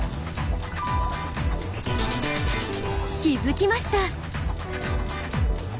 気付きました。